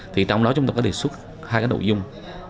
thì trong đó chúng tôi có đề xuất hai cái nội dung